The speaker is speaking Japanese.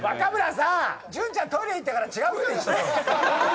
潤ちゃんトイレ行ったから違う人にして。